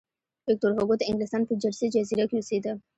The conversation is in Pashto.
ویکتور هوګو د انګلستان په جرسي جزیره کې اوسېده.